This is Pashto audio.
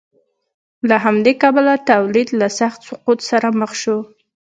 له همدې کبله تولید له سخت سقوط سره مخ شو.